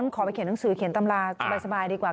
ขอไปเขียนหนังสือเขียนตำราสบายดีกว่า